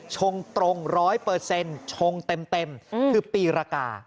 ชงตรง๑๐๐ชงเต็มคือปีรกา